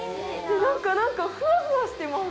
何かふわふわしてます。